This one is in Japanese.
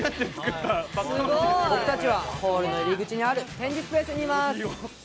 僕たちはホールの入り口にある展示スペースにいます。